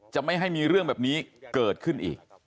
ไม่ให้มีเรื่องแบบนี้เกิดขึ้นอีก